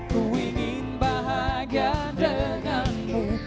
ku ingin bahagia denganmu